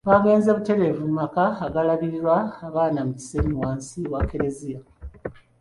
Bagenze butereevu mu maka agalabirira abaana mu Kisenyi wansi wa Kereziya.